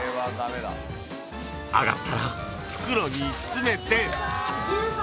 ［揚がったら袋に詰めて］